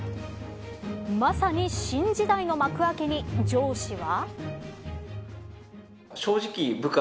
まさに新時代の幕開けに上司は。